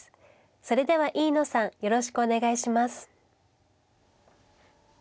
それでは飯野さんよろしくお願いします。